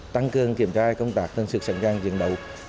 tăng cường kiểm tra công tác thân sự sẵn gian diễn đấu